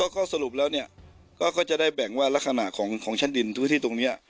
ก็สรุปแล้วจะได้แบ่งว่าราคณะของชั้นดินทุกที่ตรงนี้